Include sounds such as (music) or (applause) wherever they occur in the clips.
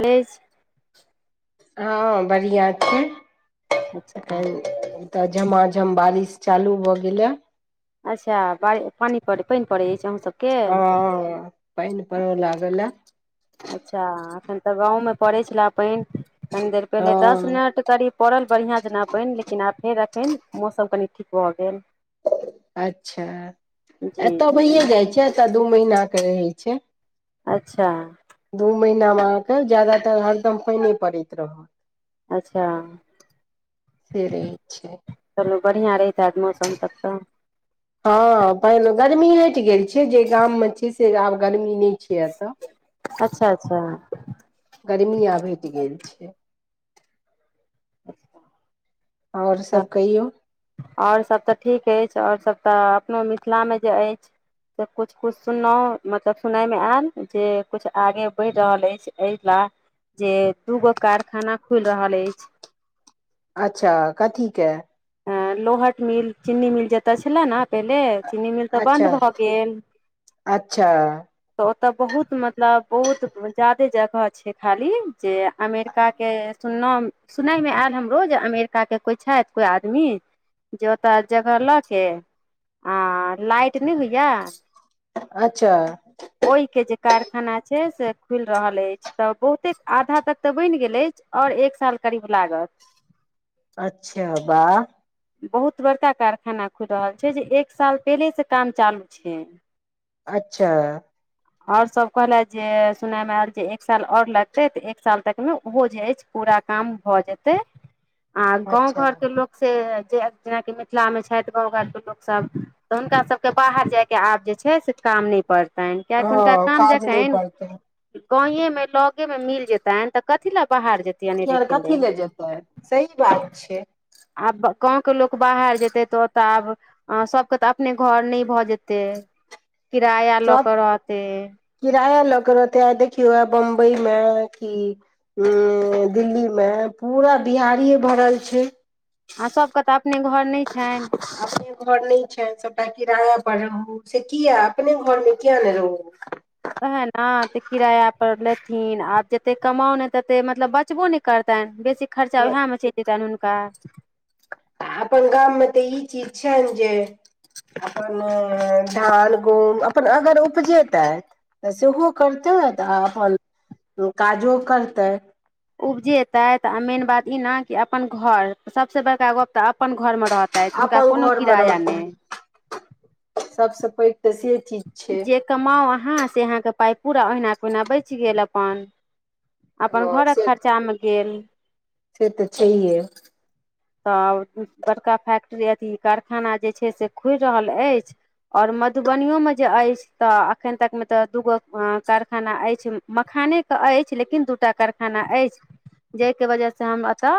ने स। हँ बढ़िआँ छी तन। तऽ झमाझम बारिश चालू भऽ गेले। अच्छा पाइनी पड़ पानि पड़ैत अछि अहूँसभ। हाँ पइन पड़ लागल। अच्छा एखन तऽ गाँवमे पड़ैत छलए पानि कनि देर पहिले दस हँ मिनट करीब। पड़ल बढ़िया जेना पइन लेकिन आब फेर अखन मौसम कनि ठीक भऽ गेल अच्छा जी एतह जी भहिए जाइ छै, एतह दू महीना के रहै छै अच्छा दू महीना मे अहा के ज्यदातर हरदम पइने पड़ैत रहल अच्छा। से रहै छय चलू बढ़िया रहित मौसम तब त हँ पहिल गर्मी हैट गेल छै। जे गाम में छै। से आब गर्मी नहि छिय। तऽ अच्छा अच्छा गर्मी आब हैट गेल छै। और सब कहियो। और सब त ठीक अछि। और सब तऽ अपनो मिथिला में जे अइछ त कुछ कुछ सुन्नो मतलब सुनाइ मे एल जे किछ। आगे बढ़ि रहल अछि। एहि लए जे दू गो कारखाना खुल रहल अछि। अच्छा क थीक के अ लोहट मिल चीन्नी मिल जत छले न। पहिले चीनी मिल तऽ बदं अच्छा भऽ गेल। अच्छा तऽ ओत्त बहुत मतलब बहुत ज्यादे जगह छै। खाली जे अमेरिकाके सुन्नव सुनय मे एल हमरो जे अमेरिका के कोइ छथि। कोइ आदमी जे ओतऽ जगह लऽ के आ लाइट नय होइया अच्छा। ओइ के जे कारखाना छै। से खुलि रहल अछि। तऽ बहुते आधा तक तऽ बनि गेल अछि। और एक साल करीब लागत। अच्छा बाह। बहुत बड़का कारखाना खुल रहल छै। जे एक साल पहिले से काम चालू छै। अच्छा। और सब कहलैथ जे सुनायमे आयल जे एक साल और लगते तऽ एक साल तक मे ओहो जे अछि। पूरा काम भऽ जेतै। आ गाँंव अच्छा घर के लोक से जे जेनाकि मिथिलामे छैथ। गाँव घरके लोकसब तऽ हुनका सभके बाहर जायके आब जे छै। से काम नय पड़तैन। किया कि हुनका हँ काम (unintelligible) काज नहि जतैन पड़तै गावें मे लगे मे मिल जेतैन तऽ कथी लए बाहर जतैय अनेरेे के ल तऽ सही बात छै। आब गाँव के लोक बाहर जेतै तौव तऽ आब अहा सबके तऽ अपने घर नहीं भऽ जेतै किराया लऽ सब के रहते। किराया लग रहतै। आई देखियै बम्बई में किी- दिल्ली मे पूरा बिहारिए भरल छै। आ सबके तऽ अपने घर नहि छैन। (unintelligible) अी घर नहि छनि सबटा किराया पर रहू से कीया अपने घर मे किया ने रहू। ओएह न से किराया पर लेथिन। आब जतेक कमाउ ने तते मतलब बचबो ने करतैन बेसी खर्चा ओएह में चलि जेतन हुनका। अपन गाममे तऽ ई चीज छैन जे अपन मोन धान गूम अपन अगर उपजैतै। तऽ सेहो करतै तऽ आ अपन काजो करतै। उपजेते त मेन बात इ ने क अपन घर सबसे बड़का गप त अपन घर मे रहताै तुनका अपन कोनो किराया नहि। सबस पैघ तऽ से चीज छै। जे कमाउ अहाँ से अहाँके पाइ पूरा ओहिना के ओहिना बचि गेल। अपन अपन हँ घरक से खर्चामे गेल। से तऽ छैे। तऽ बड़का फैक्ट्री अथी कारखाना जे छै। से खुलि रहल अछि। और मधुबनो में जे अछि। तऽ एखन तक मे तऽ दूगो कारखाना अछि। मखाने के अछि। लेकिन दूटा कारखा खाना अछि जाहिके वजहसँ हम एतऽ।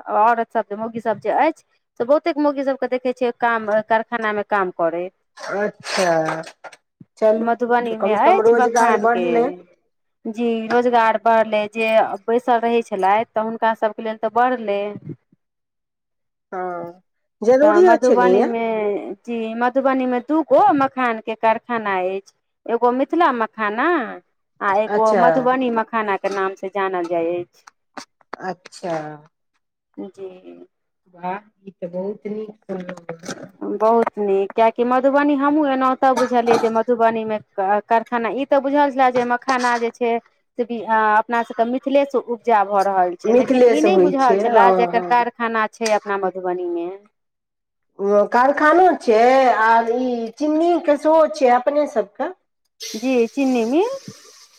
औत सब जे मुर्गी सब जे अछि। त बहुते मुर्गी सबके देखे छियै काम कारखाना में काम करे। अच्छा चलू मधुबनीमे कम से कम अछि रोजगार बखानके। बढ़लै जी रोजगार बढ़लै जे बैसल रहै छलथि तऽ हुनका सभके लेल तऽ बढ़लै। हँ। तऽ जरूरियो मधुबनी छलैया मे जी मधुबनी मे दूगो मखान के कारखाना अछि। ए गमि छल मखाना। आ एगो अच्छा मधुबनी मखाना के नाम से जानल जाय अछि। अच्छा। जी। वाह ई तऽ बहुत नीक सुनल। बहुत नीक कियकि मधुबनी हमहूँ एनाहुतऽ बुझलियै जे मधुबनीम। कारखाना ई तऽ बुझल छलए जे मखाना जे छै से। अपना सबके मिथिले से उपजा भऽ रहल छै लेकिन ई मिथिलेसँ नहि होइ छै बुझल छले हँ जेर हँ कारखाना। छै अपना मधुबनी मे। कारखानो छै आर ई चिन्नीीक के सेहो छै अपने सबके। जी चिन्नीमेी।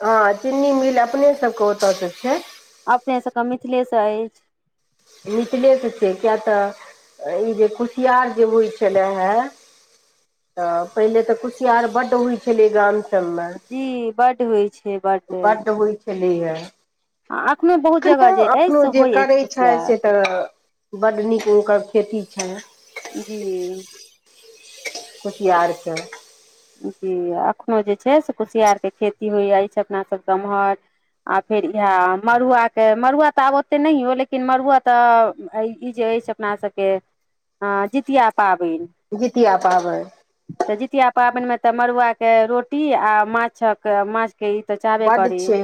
हँ चीनी मिल अपने सबके ओतय त छै। अपने सबके मिथिलेसँ अछि। निचलिय से छै क्या तऽ। ई जे कुसियार जे होइ छलै हे। तऽ पहिले तऽ कुशियार बड्ड होइ छलै गाम। जी बड्ड होइ छै बड्ड बढ़ होई खेल है। आ अखने बहुत जगह जे अछि से होय अछि करै छथि कुशियार। से तऽ बड नीक हनकर खेती छ। जी। कुसियारके। जी एखनो जे छै से कुसियारके खेती होइ अछि अपनासभ गम्हर। आओ फेर इएह मड़ुआके मड़ुआ तऽ आब ओतेक नहि हो लेकिन मड़ुआ तऽ ई जे अ से। अपना सबके अ जितिया पाबनि। जीितआ पाबै। तऽ जितिया पाबनिमे तऽ मड़ुआके रोटी आ माछक माछ। क त। बड्ड छै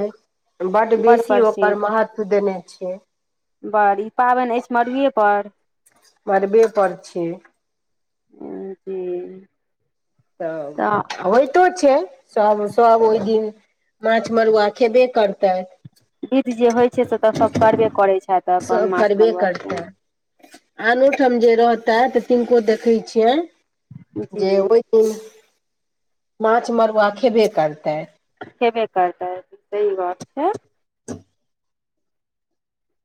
बड्ड बेसी प्रसिद्ध ओकर महत्व देने छै। बड़ ई पाबनि अछि मड़ुएपर्। मरबे पर छी। हाॅ दी। तअब होइत। तो छै, सब- सब ओहि दिन माछ मरुआ खेबे करतैय विध जे होइत छै से तऽ सभ करबे करैत छथि अप्पन माछ मरुआ के। आनोठाम जे रहतैथ तिनको देखैय छियनि जी जे ओहि उफ़, माछ मरूआ खेबे करतैय। खेबे करतै, सही बात छै।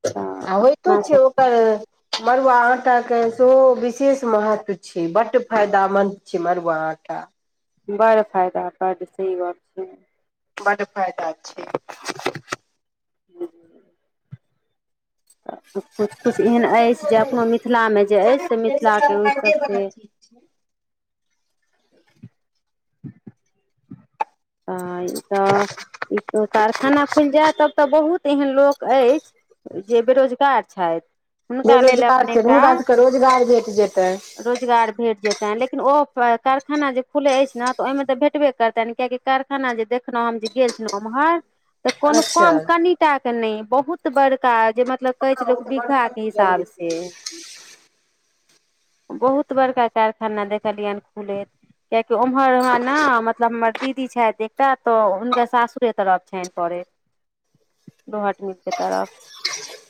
तऽ आ होइ तो अपना छै ओ (inaudible) मरूआ आटाके सेहो विशेष महत्व छै, बड फायदामन्द छै मड़ुआ आटा। बड़ फायदा, बड से ई गप्प। बड फायदा छै। (inaudible) तऽ किछु- किछु एहन अछि जे अपनो मिथिलामे जे अछि, से मिथिलाके ओ सभ से तऽ ई तऽ ई त कारखाना खुलि जायत, त ओतअऽ बहुत एहन लोक अछि, जे बेरोजगार छैथि। बेरोजगार छै हुनका जेका रोजगार भेट जेतैन। रोजगार भेट जेतनि, लेकिन ओ कारखाना जे खुलै अछि ने तऽ ओहिमे तऽ भेटबे करतनि कियाकि कारखाना जे देखलहुँ हम जे गेल छलहुँ उम्हर, तऽ कोनो अच्छा कम कनि टा के नहि बहुत बड़का जे मत मतलब कहै हँ छै ओ लोक, तऽ बीघा बड़का के खुजल हिसाब से। जेतै। बहुत बड़का कारखाना देखलियनि खुलैत। किआकि ओम्हर हमा न मतलब हमर दीदी छैथ एकटा त, हुनके सासुरे तरफ छनि परै। लोहट मील के तरफ।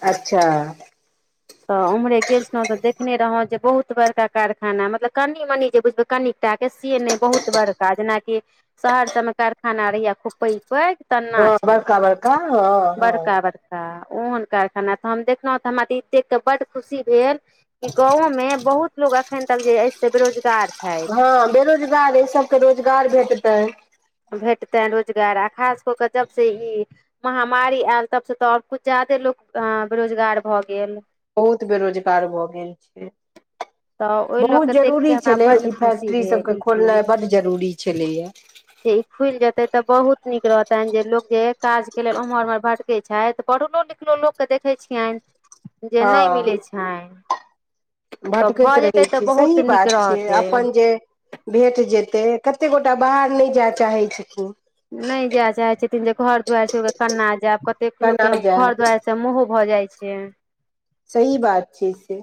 अच्छा तऽ उम्हरे गेल छलौउ तऽ देखने रहौं जे बहुत बड़का कारखाना, मतलब कनि मनी जे बुझबै कनिकटा के से नहि बहुत बड़का, जेनाकि शहर सबमे कारखाना रहैय खूब पैग- पैग हँ तेना बड़का छले बड़का हँ हँ बड़का- बड़ का, ओहन कारखाना तऽ हम देखलहुँ तऽ हमरा देख-देख कऽ बड खुशी भेल। की गांवो में बहुत लोग अखन तक जे अइछ से बेरोजगार छैय। हाँ बेरोजगार एहि सबके रोजगार भेटतैय। भेटतैय रोजगार, आ खास कऽ कऽ जब से ई महामारी आयल तब से त, कुछ ज्यादे लोक अए बेरोजगार भऽ गेल। बहुत बेरोजगार भऽ गेल छे। तऽ ओहि लऽ के बहुत देख जरूरी के हमरा छलै बड्ड ई खुशी फैक्ट्री सभके भेल ई चीज खोलनाइ बड जरूरी छलैया। जे ई खुलि जेते तऽ बहुत नीक रहतैन जे लोग जे काज केे लेल उम्हर- उम्हर भट के छैथ, पढ़लो लिखलो लोकके देखै छियनि, जे नहि हँ मिलै छैनि। भटकैत रहै छी सही नीक बात छैियै, रहतै अप्पन जे भेट जेतै, कते गोटा बाहर नहि जाय चाहै छथिन। नहि जाय चाहे छथिन जे घर दुआरि छोरि क केना जायब, कतेक लोक केना के घर जायब दुआारि स मोहो भऽ जाइ छीयै। सही बात छै से।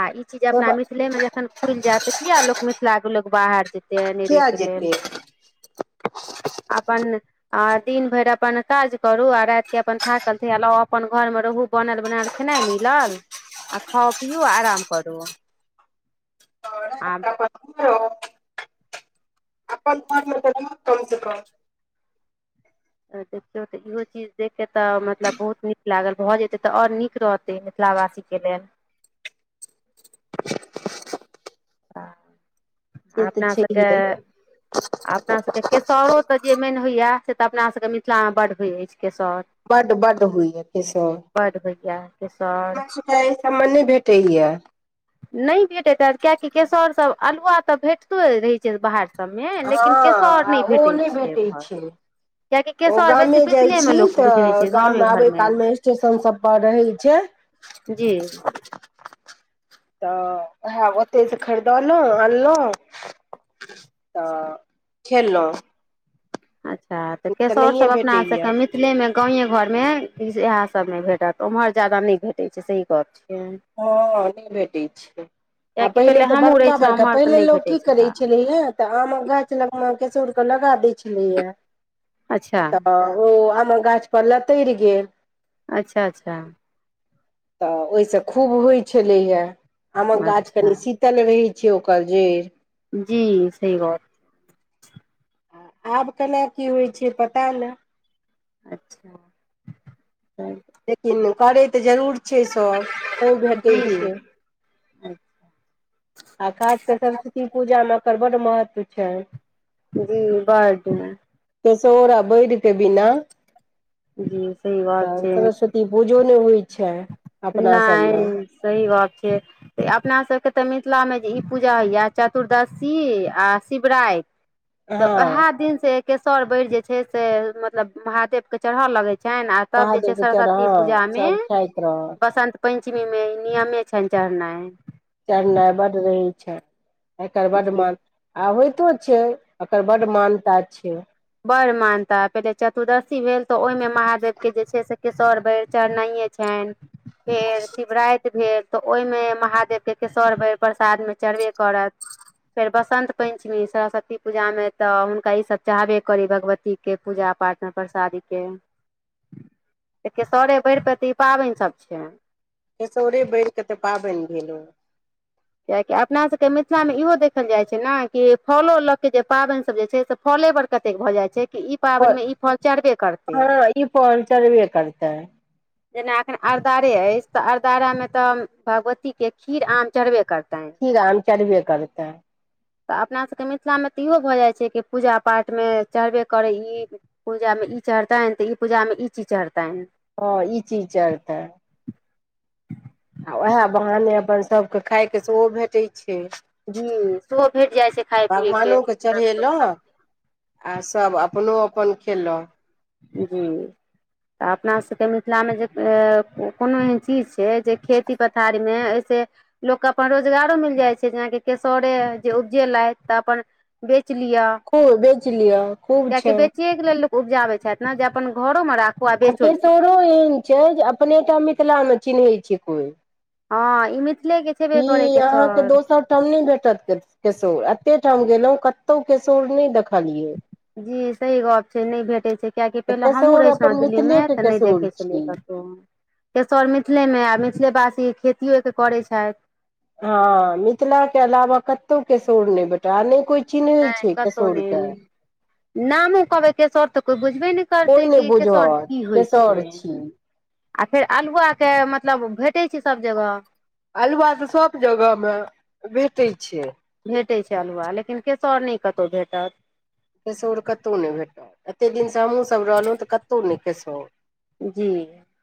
आ ई चीज अपना सब मिथिले में जखन खुलि जायत, त किया लोक मिथिला के लोग बाहर जेत ध्यानि रहै किया के लेल। जेतै आपनय आ दिन भरि अपन काज करू आ राति के अपन थाकल देह अपन घरमे रहू बनल बनायल खेनाए मिलल आ खाऊ पिउ आराम करू आ (unintelligible) अपन घरमे त रहू कम से कम। देखियौ तऽ इहो चीज देख के तऽ मतलब बहुत नीक लागल भऽ जेते तऽ आओर नीक रहत। मिथिलावासी के लेल। तऽ से तऽ अपना सभके छैहे आ अपनासभके केसौर तऽ जे मेन होइए से तऽ अपनासभके मिथिलामे बड्ड होइत अछि केसौर। बड बड होइये केसौर। बड होइये केसौर। हमरा सबके एहि सबमे नहि भेटैया। नहि भेटैत हेत कियकि केसौर त अल्हुआ तऽ भेटतो रहैत छै ने बाहर सबमे हँ लेकिन केसौर आ नहि ओ भेटै छै भेटै एम्हर। छै कियेकि ओ केसौर बेसी गामे जाइ मिथिले में छी लोक बुझै तऽ छै गामे गाममे आबै घरमे। कालमे स्टेशन सब पर रहै छै जी। तऽ उएह ओतहिसँ खरीदलहुँ आनलहुँ तऽ खेलहुँ। अच्छा तऽ केसौर सब नहिए अपना आपमें भेटैए का मिस थिलेमें गाँवे घरमे इएह सब में भेटत ओम्हर जादा नहि भेटै छै सही गप छियै। हँ नहि भेटैत छै। आ कियाकि पहिले तऽ हमहूँ रहै बड़का छलहुँ बड़का ओम्हर तऽ पहिले नहि लोक भेटै की छलए करैत छलैए तऽ आमक गाछ लग मे केसौर के लगा दै छलैया। अच्छा तऽ ओ आम गाछ पर लतरि गेल। अच्छा अच्छा। तऽ ओहि से खूब होइत छलैया आमक गाछ अच्छा कनी शीत तल रहैछै ओकर जे जी सही बात आब केना की होइत छै पता नहि। (inaudible) लेकिन करै तऽ जरूर छै सभ तैँ भेटैत जी छै। आ खासककर सरस्वती पूजामे ओकर बड्ड महत्व छै। जी बड। केसौर आ बैर के बिना जी सही बात छै (inaudible) ई पूजो नहि होइ छै। अपना सभमे नहि सही बात छै। तऽ अपनासभके तऽ मिथिलामे जे ई पूजा होइए चतुर्दशी आ शिवराति (inaudible) तऽ हँ उएह दिनसँ इ केसौर बैर जे छै से मतलब महादेवके चढ़य लगैत छनि आ तब जे छै महादेव के किए नऽ हऽ सब खाइत रहऽ। बसंत पंचमी मे नियमे छनि चढ़नाइ। चढ़नाइ बड रहै छैन एकर बड जी म आ होइतो छै एककर बड्ड मान्यता छै। बड़ मानता पहिले चतुर्दशी भेल तऽ ओहिमे महादेवके जे छै से केसौर बैर चढ़नाइये छनि फेर शिवराति भेल। तऽ ओहिमे महादेवके केसौर बैर प्रसादमे चढ़बे करत फेर बसन्त पंचमी सरस्वती पूजा में तऽ हुनका ई सब चाहबे करी भगवतीके पूजा पाठमे प्रसादीक के। केसौर बैर पें त ई पाबैन सब छै केसौरे बैर के तऽ पाबनि भेल ओ कियाकि अपना सबके मिथिलामे इहो देखल जाइत छै ने कि फलो लऽके जे पाबैनसब जे छै से फले पर कतेक भऽ जाइ छै कि ई ओ पाबैनमे ई फल चढ़बे करतै हँ ई फल चढ़बे करतै जेना अखन अरदारे अछि तऽ अरदारा में तऽ भगवती के खीर आम चढ़बे करते। खीर आम चढ़बे करतै तऽ अपना सभके मिथिलामे तऽ इहो भऽ जाय छै कि पूजा पाठमे चढ़बे करै ई पूजा मे ई चढ़तनै तऽ ई पूजा मे ई चीज चढ़तनै हँ ई चीज चढ़तै आ ओहे बहाने अपन सभके खायके सेहो भेटै छै। जी सेहो भेट जाइ छै खाय पियै के भगवानोके सब चढ़ेलहुँ (unintelligible) आ सब अपनो अपन खेलौ जी तऽ अपना सबके मिथिलामे जे ए-ए कोनो एहन चीज छै। जे खेती पथारीमे एहिस लोकके अपन रोजगारो मिल जाइ छै जेनाकि केसौरे जे उपजेलथि तऽ अपन बेच लिय। खूब बेच लिय खूब छै। बेचिये के लेल लोक उपजाबे छथि ने जे अपन घरो में राख आ केशोरो एहन छै जे अपनेटा मिथिलामे चिन्है छै कोइ हँ ई मिथिले के ई अहाँके दोसर ठाम नहि भेटत केशोर एते ठाम गेलु कतौ केशोर नै देखलियै। जी सही गप छै नहि भेटै छै। किएकि पहिले हमहूँ केसौर रहै छलु है अपन दिल्लीमे मिथिलेके तऽ नहि केसौर देखै छलियै छी कतौ केशोर मिथिलेमे आ मिथिले वासी खेतियो एकर करै छथि। हँ मिथिला के अलावा कतौ केशोर नहि भेटत नहि कोइ चिन्है छै केशौर के नामे कहबै केशोर तऽ कोई बुझबे ने कोइ करते नहि कि केशोर बुझत की होइ केसौर छै छी आ फेर अल्हुआ के मतलब भेटै छै सभ जगह अल्हुआ तऽ सब जगह में भेटै छै। भेटै छै अल्हुआ लेकिन केशोर नहि कतौ भेटत। केशोर कतौ नै भेटल एते दिनसँ हमहु सब रहलहुँ तऽ कतौ नहि केशोर जी